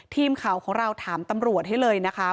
ทีมข่าวของเราถามตำรวจให้เลยนะคะ